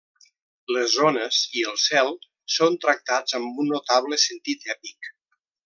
Les ones i el cel són tractats amb un notable sentit èpic.